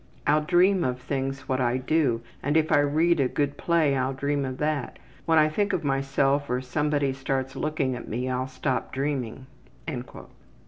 I'll dream of things what I do and if I read a good play I'll dream of that. When I think of myself or somebody starts looking at me I'll stop dreaming.''